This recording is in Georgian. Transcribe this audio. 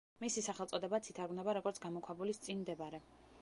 მისი სახელწოდებაც ითარგმნება როგორც „გამოქვაბულის წინ მდებარე“.